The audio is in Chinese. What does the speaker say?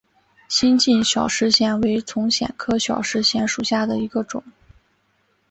新进小石藓为丛藓科小石藓属下的一个种。